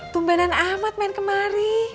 tumbenan amat main kemari